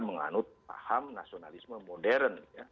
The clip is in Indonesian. menganut paham nasionalisme modern